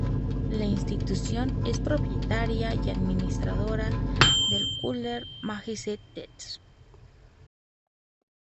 La institución es propietaria y administradora del "Cutler Majestic Theatre".